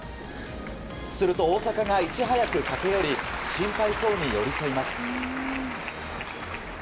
すると、大坂がいち早く駆け寄り心配そうに寄り添います。